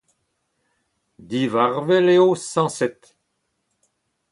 Divarvel eo, sañset.